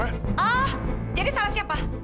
ah jadi salah siapa